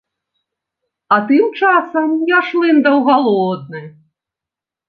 А тым часам я шлындаў галодны.